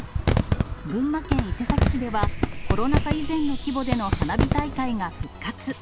群馬県伊勢崎市では、コロナ禍以前の規模での花火大会が復活。